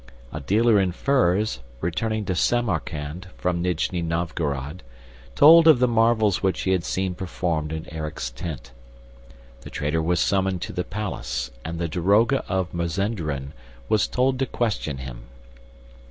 A dealer in furs, returning to Samarkand from Nijni Novgorod, told of the marvels which he had seen performed in Erik's tent. The trader was summoned to the palace and the daroga of Mazenderan was told to question him.